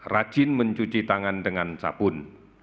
saya ingin mencuci tangan dengan sabun